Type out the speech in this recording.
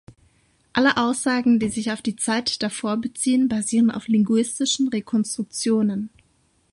Alle Aussagen, die sich auf die Zeit davor beziehen, basieren auf linguistischen Rekonstruktionen.